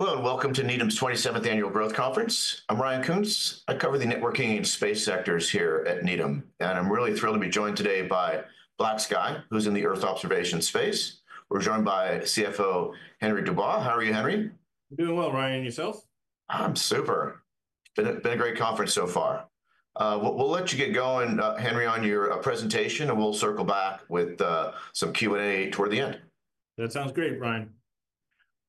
Hello, and welcome to Needham's 27th Annual Growth Conference. I'm Ryan Koontz. I cover the networking and space sectors here at Needham, and I'm really thrilled to be joined today by BlackSky, who's in the Earth observation space. We're joined by CFO Henry Dubois. How are you, Henry? I'm doing well, Ryan. And yourself? I'm super. It's been a great conference so far. We'll let you get going, Henry, on your presentation, and we'll circle back with some Q&A toward the end. That sounds great, Ryan.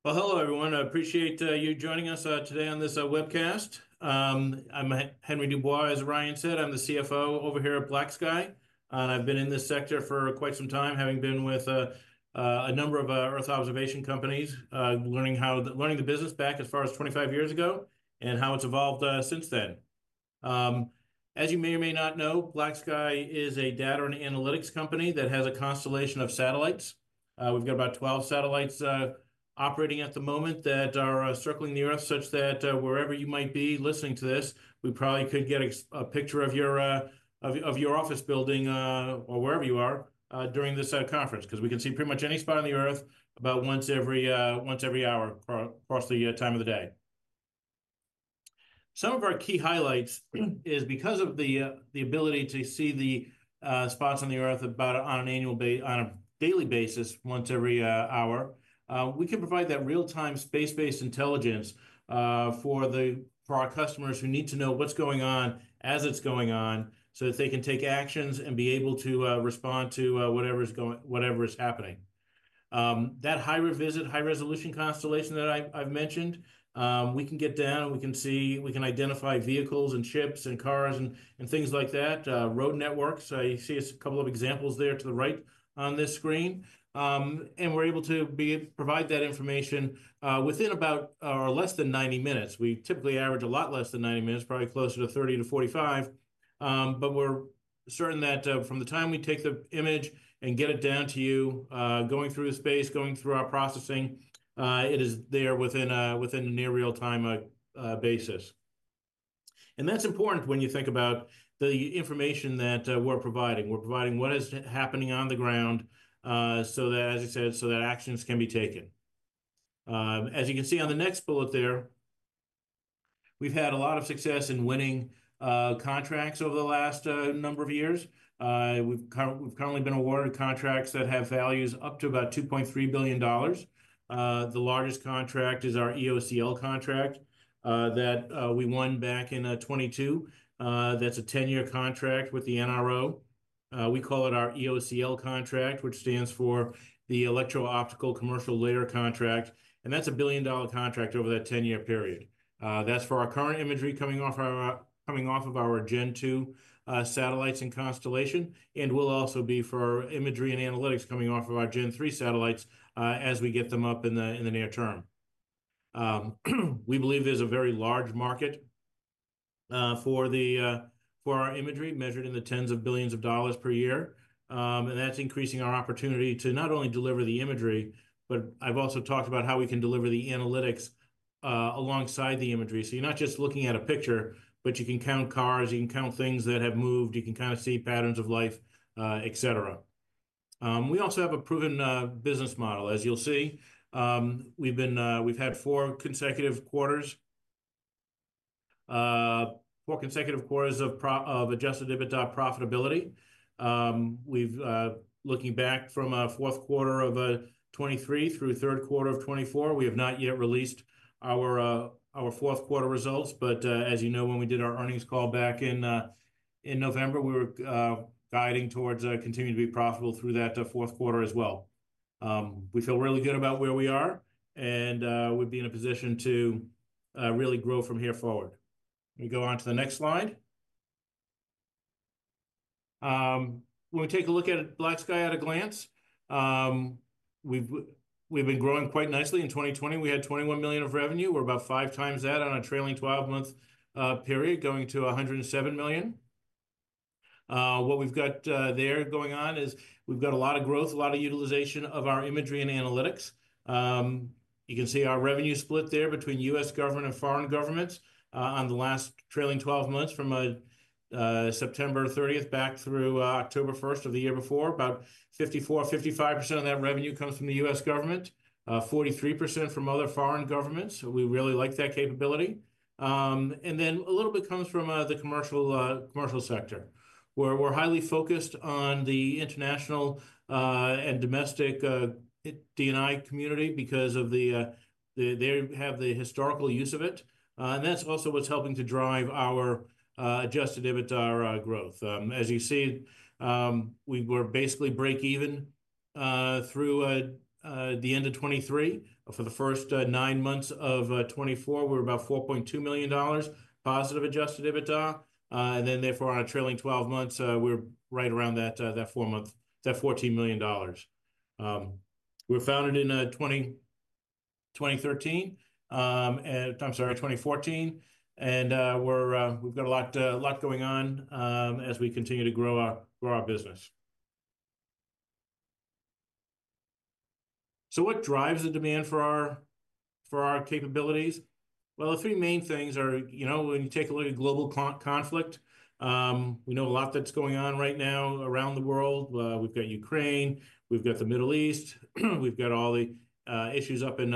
Well, hello, everyone. I appreciate you joining us today on this webcast. I'm Henry Dubois, as Ryan said. I'm the CFO over here at BlackSky, and I've been in this sector for quite some time, having been with a number of Earth observation companies, learning the business back as far as 25 years ago and how it's evolved since then. As you may or may not know, BlackSky is a data and analytics company that has a constellation of satellites. We've got about 12 satellites operating at the moment that are circling the Earth, such that wherever you might be listening to this, we probably could get a picture of your office building or wherever you are during this conference, because we can see pretty much any spot on the Earth about once every hour across the time of the day. Some of our key highlights is because of the ability to see the spots on the Earth on a daily basis, once every hour, we can provide that real-time space-based intelligence for our customers who need to know what's going on as it's going on, so that they can take actions and be able to respond to whatever is happening. That high-resolution constellation that I've mentioned, we can get down, and we can see. We can identify vehicles and ships and cars and things like that, road networks. I see a couple of examples there to the right on this screen, and we're able to provide that information within about or less than 90 minutes. We typically average a lot less than 90 minutes, probably closer to 30-45, but we're certain that from the time we take the image and get it down to you, going through the space, going through our processing, it is there within a near real-time basis, and that's important when you think about the information that we're providing. We're providing what is happening on the ground so that, as you said, so that actions can be taken. As you can see on the next bullet there, we've had a lot of success in winning contracts over the last number of years. We've currently been awarded contracts that have values up to about $2.3 billion. The largest contract is our EOCL contract that we won back in 2022. That's a 10 year contract with the NRO. We call it our EOCL contract, which stands for the Electro-Optical Commercial Layer contract, and that's a $1 billion contract over that 10 year period. That's for our current imagery coming off of our Gen 2 satellites and constellation, and will also be for our imagery and analytics coming off of our Gen 3 satellites as we get them up in the near term. We believe there's a very large market for our imagery measured in the tens of billions of dollars per year, and that's increasing our opportunity to not only deliver the imagery, but I've also talked about how we can deliver the analytics alongside the imagery. So you're not just looking at a picture, but you can count cars, you can count things that have moved, you can kind of see patterns of life, et cetera. We also have a proven business model. As you'll see, we've had four consecutive quarters of adjusted EBITDA profitability. Looking back from fourth quarter of 2023 through third quarter of 2024, we have not yet released our fourth quarter results, but as you know, when we did our earnings call back in November, we were guiding towards continuing to be profitable through that fourth quarter as well. We feel really good about where we are, and we'd be in a position to really grow from here forward. Let me go on to the next slide. When we take a look at BlackSky at a glance, we've been growing quite nicely. In 2020, we had $21 million of revenue. We're about five times that on a trailing 12-month period, going to $107 million. What we've got there going on is we've got a lot of growth, a lot of utilization of our imagery and analytics. You can see our revenue split there between U.S. government and foreign governments on the last trailing 12 months from September 30th back through October 1st of the year before. About 54%-55% of that revenue comes from the U.S. government, 43% from other foreign governments. We really like that capability, and then a little bit comes from the commercial sector, where we're highly focused on the international and domestic D&I community because they have the historical use of it, and that's also what's helping to drive our adjusted EBITDA growth. As you see, we were basically break-even through the end of 2023. For the first nine-months of 2024, we were about $4.2 million positive adjusted EBITDA, and then therefore on a trailing 12 months, we're right around that $14 million. We were founded in 2013, I'm sorry, 2014, and we've got a lot going on as we continue to grow our business. So what drives the demand for our capabilities? Well, the three main things are, when you take a look at global conflict, we know a lot that's going on right now around the world. We've got Ukraine, we've got the Middle East, we've got all the issues up in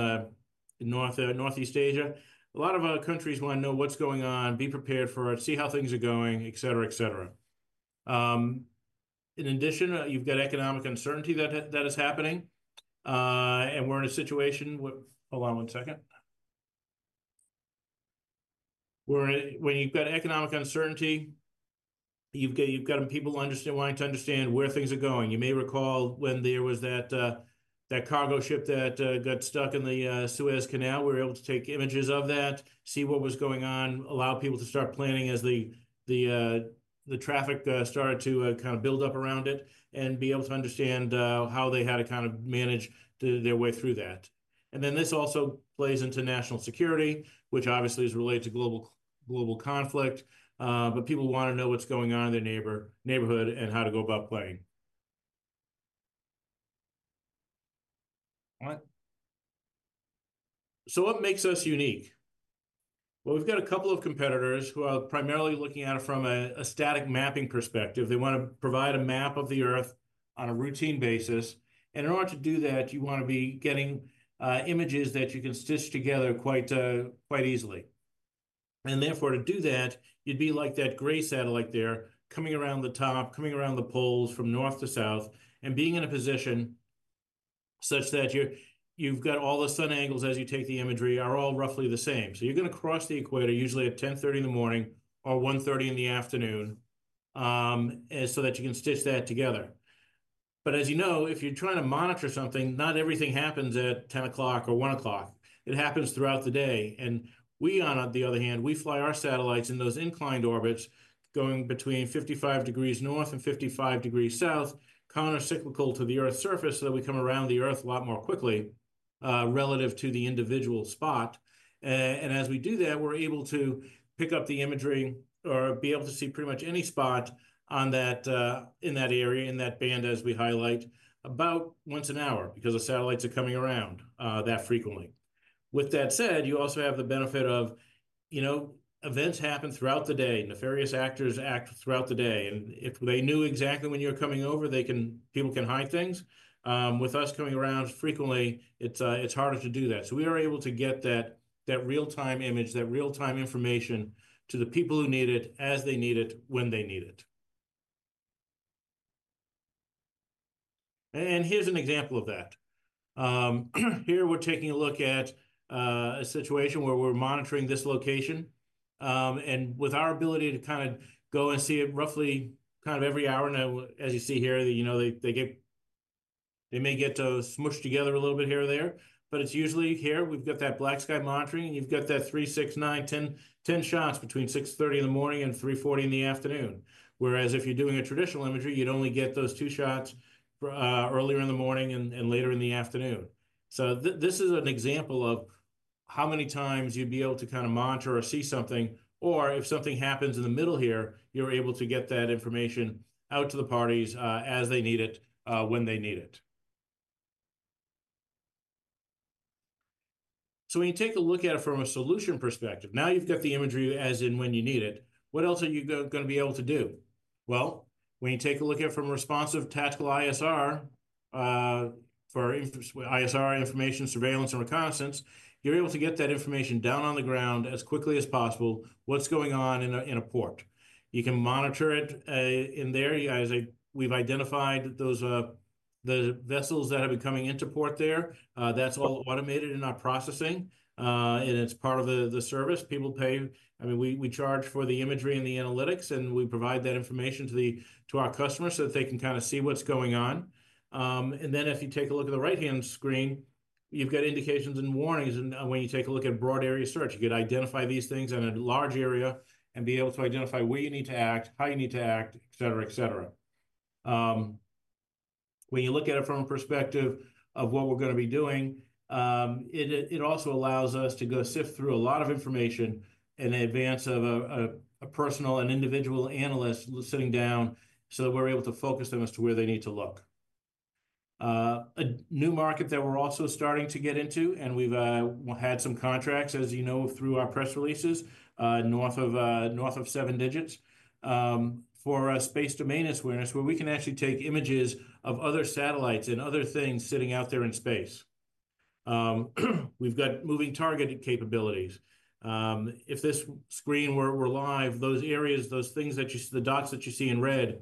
Northeast Asia. A lot of countries want to know what's going on, be prepared for it, see how things are going, et cetera, et cetera. In addition, you've got economic uncertainty that is happening, and we're in a situation. Hold on one second. When you've got economic uncertainty, you've got people wanting to understand where things are going. You may recall when there was that cargo ship that got stuck in the Suez Canal. We were able to take images of that, see what was going on, allow people to start planning as the traffic started to kind of build up around it, and be able to understand how they had to kind of manage their way through that, and then this also plays into national security, which obviously is related to global conflict, but people want to know what's going on in their neighborhood and how to go about planning, so what makes us unique? Well, we've got a couple of competitors who are primarily looking at it from a static mapping perspective. They want to provide a map of the Earth on a routine basis, and in order to do that, you want to be getting images that you can stitch together quite easily. Therefore, to do that, you'd be like that gray satellite there coming around the top, coming around the poles from North to South, and being in a position such that you've got all the sun angles as you take the imagery are all roughly the same. You're going to cross the equator usually at 10:30 A.M. or 1:30 P.M. so that you can stitch that together. As you know, if you're trying to monitor something, not everything happens at 10:00 A.M. or 1:00 P.M. It happens throughout the day. We, on the other hand, we fly our satellites in those inclined orbits going between 55 degrees North and 55 degrees South, countercyclical to the Earth's surface, so that we come around the Earth a lot more quickly relative to the individual spot. And as we do that, we're able to pick up the imagery or be able to see pretty much any spot in that area, in that band, as we highlight, about once an hour because the satellites are coming around that frequently. With that said, you also have the benefit of events happen throughout the day. Nefarious actors act throughout the day, and if they knew exactly when you're coming over, people can hide things. With us coming around frequently, it's harder to do that. So we are able to get that real-time image, that real-time information to the people who need it as they need it when they need it. And here's an example of that. Here we're taking a look at a situation where we're monitoring this location, and with our ability to kind of go and see it roughly kind of every hour now, as you see here, they may get to smush together a little bit here or there, but it's usually here. We've got that BlackSky monitoring, and you've got that three, six, nine, 10 shots between 6:30 A.M. and 3:40 P.M., whereas if you're doing a traditional imagery, you'd only get those two shots earlier in the morning and later in the afternoon. So this is an example of how many times you'd be able to kind of monitor or see something, or if something happens in the middle here, you're able to get that information out to the parties as they need it when they need it. So when you take a look at it from a solution perspective, now you've got the imagery as in when you need it. What else are you going to be able to do? Well, when you take a look at it from a responsive tactical ISR for ISR information surveillance and reconnaissance, you're able to get that information down on the ground as quickly as possible. What's going on in a port. You can monitor it in there. We've identified the vessels that have been coming into port there. That's all automated in our processing, and it's part of the service. I mean, we charge for the imagery and the analytics, and we provide that information to our customers so that they can kind of see what's going on. And then if you take a look at the right-hand screen, you've got indications and warnings. When you take a look at Broad Area Search, you could identify these things in a large area and be able to identify where you need to act, how you need to act, et cetera, et cetera. When you look at it from a perspective of what we're going to be doing, it also allows us to go sift through a lot of information in advance of personnel and individual analyst sitting down so that we're able to focus them as to where they need to look. A new market that we're also starting to get into, and we've had some contracts, as you know, through our press releases, North of seven digits for Space Domain Awareness, where we can actually take images of other satellites and other things sitting out there in space. We've got Moving Target Capabilities. If this screen were live, those areas, those things that you see, the dots that you see in red,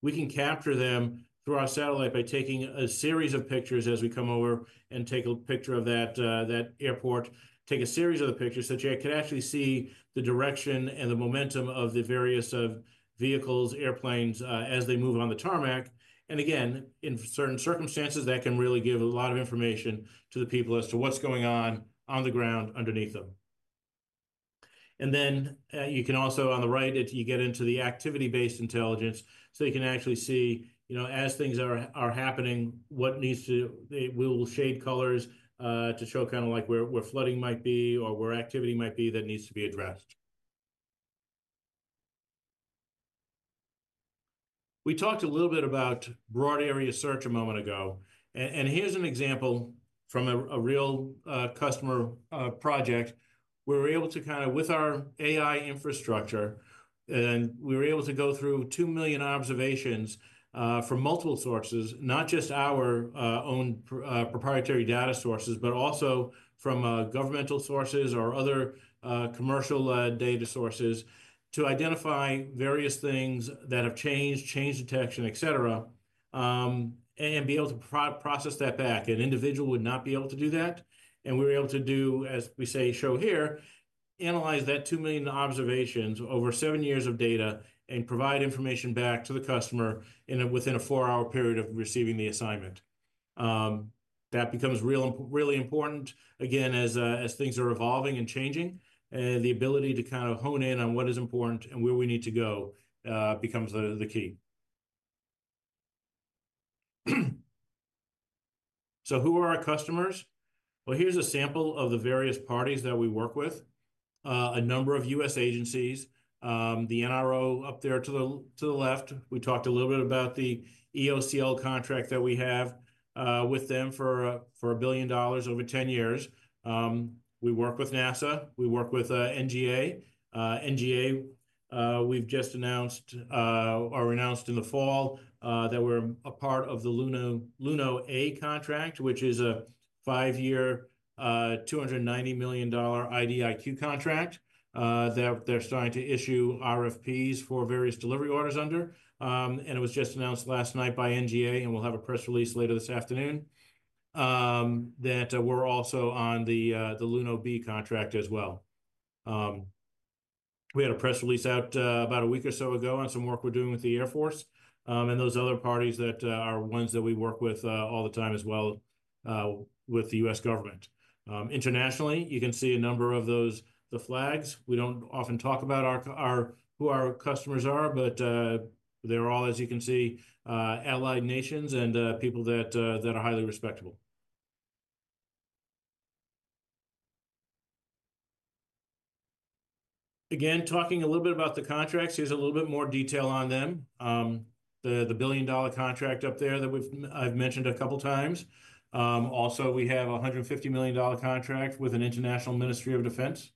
we can capture them through our satellite by taking a series of pictures as we come over and take a picture of that airport, take a series of the pictures so that you can actually see the direction and the momentum of the various vehicles, airplanes as they move on the tarmac. And again, in certain circumstances, that can really give a lot of information to the people as to what's going on on the ground underneath them. And then you can also, on the right, you get into the Activity-Based Intelligence, so you can actually see as things are happening what needs to. We'll shade colors to show kind of where flooding might be or where activity might be that needs to be addressed. We talked a little bit about Broad Area Search a moment ago, and here's an example from a real customer project. We were able to kind of, with our AI infrastructure, and we were able to go through 2 million observations from multiple sources, not just our own proprietary data sources, but also from governmental sources or other commercial data sources to identify various things that have changed, change detection, et cetera, and be able to process that back. An individual would not be able to do that, and we were able to do, as we say, show here, analyze that 2 million observations over seven years of data and provide information back to the customer within a four-hour period of receiving the assignment. That becomes really important, again, as things are evolving and changing, and the ability to kind of hone in on what is important and where we need to go becomes the key. So who are our customers? Well, here's a sample of the various parties that we work with: a number of U.S. agencies, the NRO up there to the left. We talked a little bit about the EOCL contract that we have with them for $1 billion over 10 years. We work with NASA. We work with NGA. NGA, we've just announced or announced in the fall that we're a part of the Luno A contract, which is a five-year, $290 million IDIQ contract that they're starting to issue RFPs for various delivery orders under. And it was just announced last night by NGA, and we'll have a press release later this afternoon that we're also on the Luno B contract as well. We had a press release out about a week or so ago on some work we're doing with the Air Force and those other parties that are ones that we work with all the time as well with the U.S. government. Internationally, you can see a number of those, the flags. We don't often talk about who our customers are, but they're all, as you can see, allied nations and people that are highly respectable. Again, talking a little bit about the contracts, here's a little bit more detail on them. The billion-dollar contract up there that I've mentioned a couple of times. Also, we have a $150 million contract with an international Ministry of Defense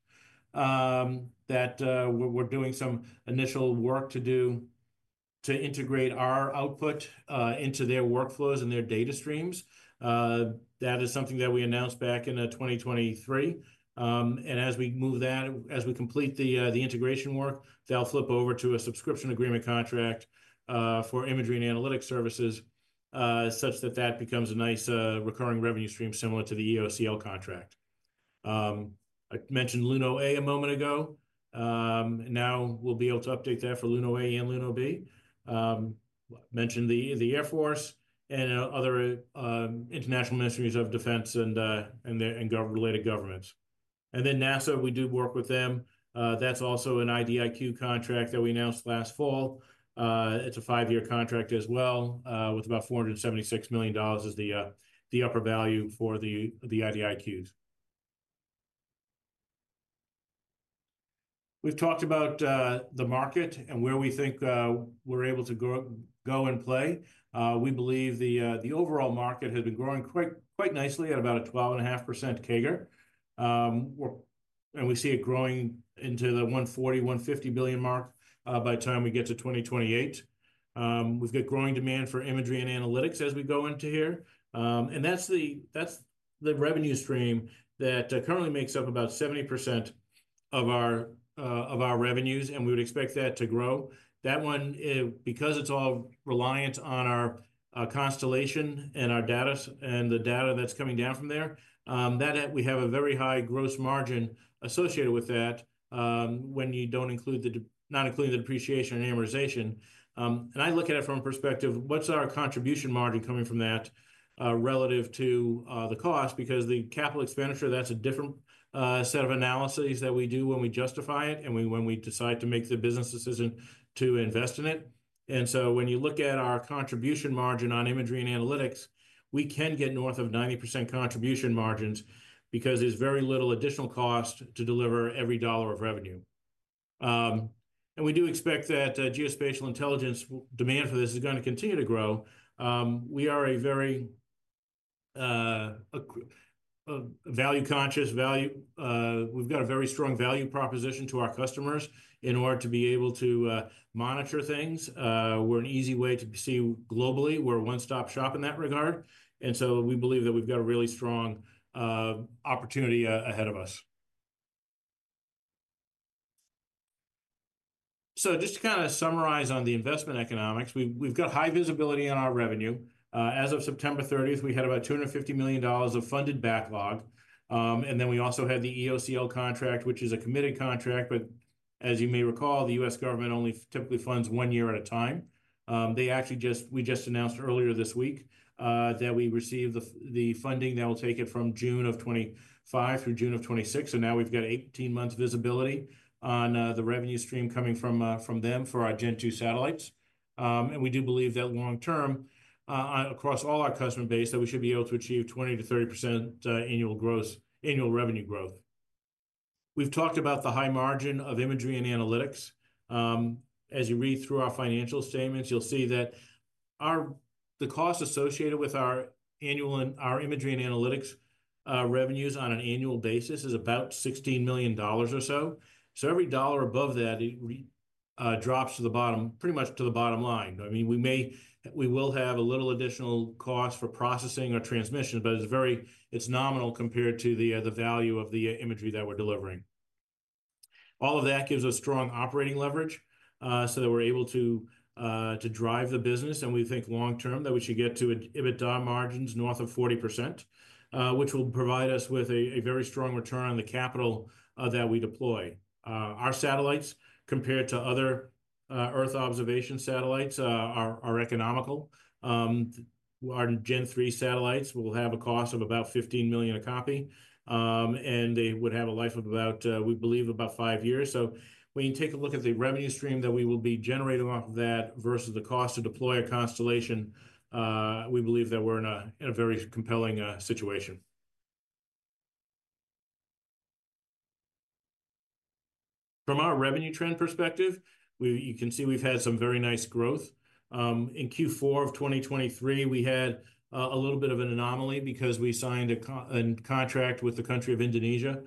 that we're doing some initial work to do to integrate our output into their workflows and their data streams. That is something that we announced back in 2023, and as we move that, as we complete the integration work, they'll flip over to a subscription agreement contract for imagery and analytic services such that that becomes a nice recurring revenue stream similar to the EOCL contract. I mentioned Luno A a moment ago. Now we'll be able to update that for Luno A and Luno B. Mentioned the Air Force and other international ministries of defense and related governments, and then NASA, we do work with them. That's also an IDIQ contract that we announced last fall. It's a five-year contract as well with about $476 million as the upper value for the IDIQs. We've talked about the market and where we think we're able to go and play. We believe the overall market has been growing quite nicely at about a 12.5% CAGR, and we see it growing into the $140 billion-$150 billion mark by the time we get to 2028. We've got growing demand for imagery and analytics as we go into here, and that's the revenue stream that currently makes up about 70% of our revenues, and we would expect that to grow. That one, because it's all reliant on our constellation and the data that's coming down from there, that we have a very high gross margin associated with that when you don't include the depreciation and amortization, and I look at it from a perspective, what's our contribution margin coming from that relative to the cost? Because the capital expenditure, that's a different set of analyses that we do when we justify it and when we decide to make the business decision to invest in it. And so when you look at our contribution margin on imagery and analytics, we can get north of 90% contribution margins because there's very little additional cost to deliver every dollar of revenue. And we do expect that geospatial intelligence demand for this is going to continue to grow. We are a very value-conscious. We've got a very strong value proposition to our customers in order to be able to monitor things. We're an easy way to see globally. We're a one-stop shop in that regard. And so we believe that we've got a really strong opportunity ahead of us. So just to kind of summarize on the investment economics, we've got high visibility on our revenue. As of September 30th, we had about $250 million of funded backlog, and then we also had the EOCL contract, which is a committed contract, but as you may recall, the U.S. government only typically funds one year at a time. We just announced earlier this week that we received the funding that will take it from June of 2025 through June of 2026, and now we've got 18 months visibility on the revenue stream coming from them for our Gen 2 satellites, and we do believe that long-term, across all our customer base, that we should be able to achieve 20%-30% annual revenue growth. We've talked about the high margin of imagery and analytics. As you read through our financial statements, you'll see that the cost associated with our imagery and analytics revenues on an annual basis is about $16 million or so. So every dollar above that drops to the bottom, pretty much to the bottom line. I mean, we will have a little additional cost for processing or transmission, but it's nominal compared to the value of the imagery that we're delivering. All of that gives us strong operating leverage so that we're able to drive the business. And we think long-term that we should get to EBITDA margins north of 40%, which will provide us with a very strong return on the capital that we deploy. Our satellites, compared to other Earth observation satellites, are economical. Our Gen 3 satellites will have a cost of about $15 million a copy, and they would have a life of about, we believe, about five years. When you take a look at the revenue stream that we will be generating off of that versus the cost to deploy a constellation, we believe that we're in a very compelling situation. From our revenue trend perspective, you can see we've had some very nice growth. In Q4 of 2023, we had a little bit of an anomaly because we signed a contract with the country of Indonesia,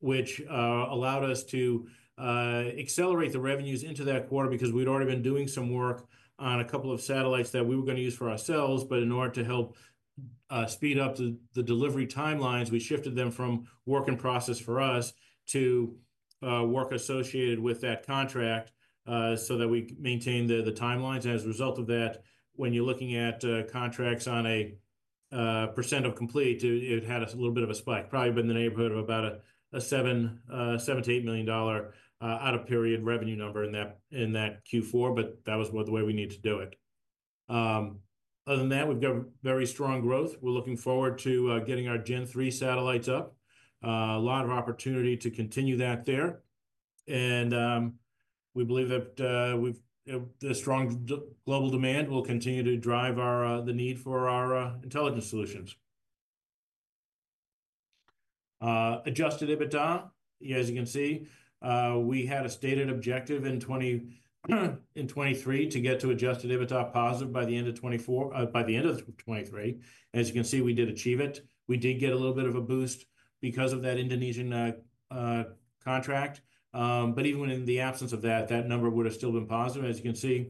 which allowed us to accelerate the revenues into that quarter because we'd already been doing some work on a couple of satellites that we were going to use for ourselves. But in order to help speed up the delivery timelines, we shifted them from work in process for us to work associated with that contract so that we maintain the timelines. As a result of that, when you're looking at contracts on a percent of complete, it had a little bit of a spike, probably been in the neighborhood of about a $7 million-$8 million out of period revenue number in that Q4, but that was the way we need to do it. Other than that, we've got very strong growth. We're looking forward to getting our Gen 3 satellites up. A lot of opportunity to continue that there, and we believe that the strong global demand will continue to drive the need for our intelligence solutions. Adjusted EBITDA, as you can see, we had a stated objective in 2023 to get to adjusted EBITDA positive by the end of 2024, by the end of 2023. As you can see, we did achieve it. We did get a little bit of a boost because of that Indonesian contract. But even in the absence of that, that number would have still been positive. As you can see,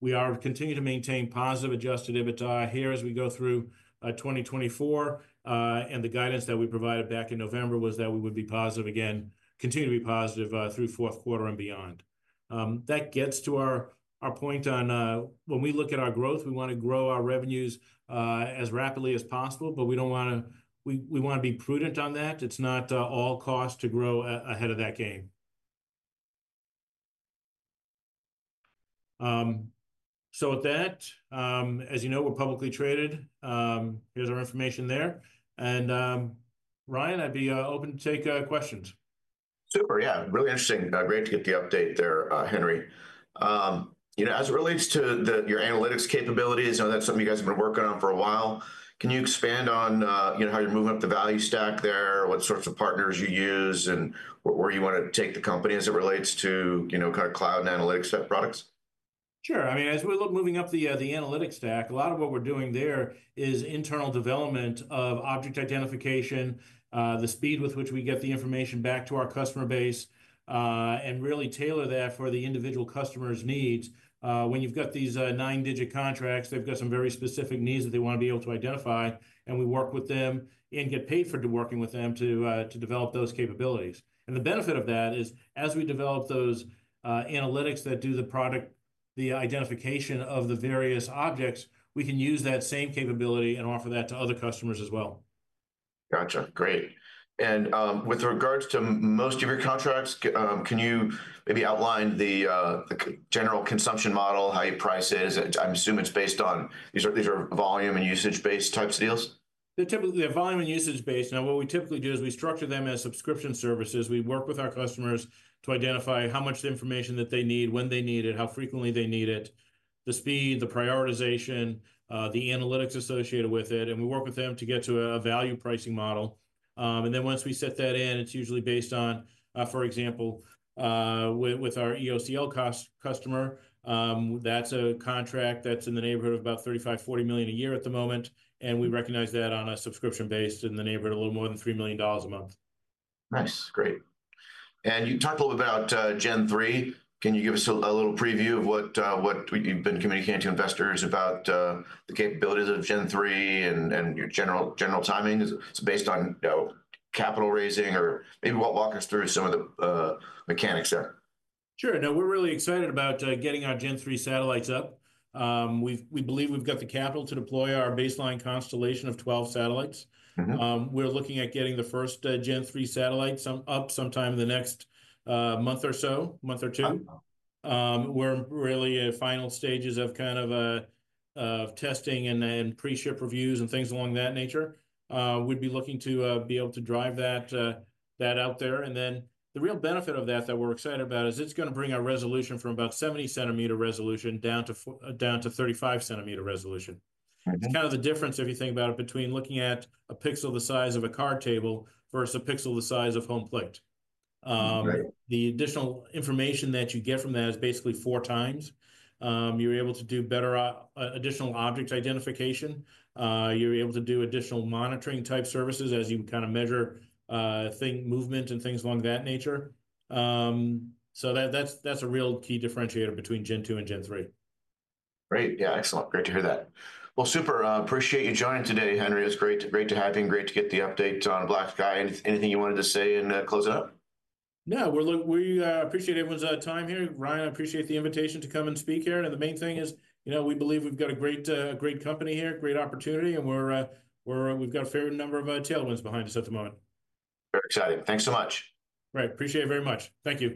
we are continuing to maintain positive Adjusted EBITDA here as we go through 2024. And the guidance that we provided back in November was that we would be positive again, continue to be positive through fourth quarter and beyond. That gets to our point on when we look at our growth, we want to grow our revenues as rapidly as possible, but we don't want to. We want to be prudent on that. It's not all cost to grow ahead of that game. So with that, as you know, we're publicly traded. Here's our information there. And Ryan, I'd be open to take questions. Super. Yeah. Really interesting. Great to get the update there, Henry. As it relates to your analytics capabilities, that's something you guys have been working on for a while. Can you expand on how you're moving up the value stack there, what sorts of partners you use, and where you want to take the company as it relates to kind of cloud and analytics type products? Sure. I mean, as we look moving up the analytics stack, a lot of what we're doing there is internal development of object identification, the speed with which we get the information back to our customer base, and really tailor that for the individual customer's needs. When you've got these nine-digit contracts, they've got some very specific needs that they want to be able to identify. And we work with them and get paid for working with them to develop those capabilities. And the benefit of that is, as we develop those analytics that do the identification of the various objects, we can use that same capability and offer that to other customers as well. Gotcha. Great. And with regards to most of your contracts, can you maybe outline the general consumption model, how you price it? I'm assuming it's based on these are volume and usage-based types of deals? They're volume and usage-based. Now, what we typically do is we structure them as subscription services. We work with our customers to identify how much information that they need, when they need it, how frequently they need it, the speed, the prioritization, the analytics associated with it. And we work with them to get to a value pricing model. And then once we set that in, it's usually based on, for example, with our EOCL customer, that's a contract that's in the neighborhood of about $35 million-$40 million a year at the moment. And we recognize that on a subscription basis in the neighborhood of a little more than $3 million a month. Nice. Great. And you talked a little bit about Gen 3. Can you give us a little preview of what you've been communicating to investors about the capabilities of Gen 3 and your general timing? It's based on capital raising or maybe walk us through some of the mechanics there. Sure. No, we're really excited about getting our Gen 3 satellites up. We believe we've got the capital to deploy our baseline constellation of 12 satellites. We're looking at getting the first Gen 3 satellites up sometime in the next month or so, month or two. We're really in the final stages of kind of testing and pre-ship reviews and things along that nature. We'd be looking to be able to drive that out there. And then the real benefit of that that we're excited about is it's going to bring our resolution from about 70 cm resolution down to 35 cm resolution. It's kind of the difference, if you think about it, between looking at a pixel the size of a card table versus a pixel the size of home plate. The additional information that you get from that is basically four times. You're able to do better additional object identification. You're able to do additional monitoring-type services as you kind of measure movement and things along that nature. So that's a real key differentiator between Gen 2 and Gen 3. Great. Yeah. Excellent. Great to hear that. Well, super. Appreciate you joining today, Henry. It's great to have you and great to get the update on BlackSky. Anything you wanted to say in closing up? No, we appreciate everyone's time here. Ryan, I appreciate the invitation to come and speak here, and the main thing is we believe we've got a great company here, great opportunity, and we've got a fair number of tailwinds behind us at the moment. Very exciting. Thanks so much. Right. Appreciate it very much. Thank you.